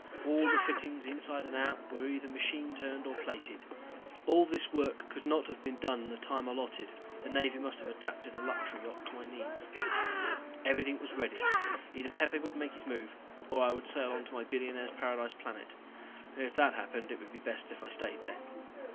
All the fittings, inside and out, were either machine turned or plated. All this work could not have been done in the time allotted, the Navy must have adapted a luxury yacht to my needs. Everything was ready. Either Pepe would make his move or I would sail on to my billionaire's paradise planet. If that happened, it would be best if I stayed there.